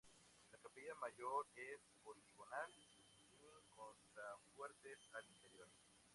La capilla mayor es poligonal, sin contrafuertes al interior.